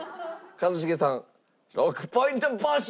一茂さん６ポイント没収！